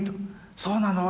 「そうなの⁉」